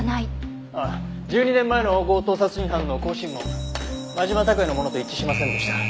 １２年前の強盗殺人犯の口唇紋真島拓也のものと一致しませんでした。